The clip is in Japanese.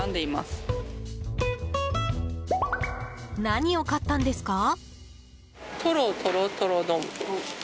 何を買ったんですか？